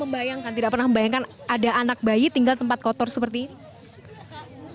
membayangkan tidak pernah membayangkan ada anak bayi tinggal tempat kotor seperti ini